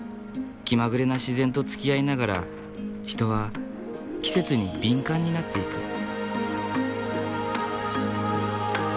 気まぐれな自然とつきあいながら人は季節に敏感になっていく。